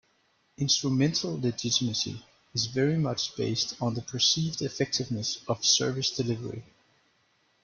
Instrumental legitimacy is very much based on the perceived effectiveness of service delivery.